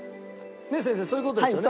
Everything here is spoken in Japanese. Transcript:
ねっ先生そういう事ですよね？